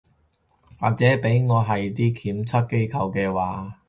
或者畀在我係啲檢測機構嘅話